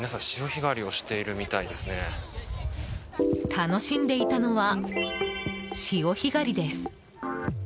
楽しんでいたのは潮干狩りです。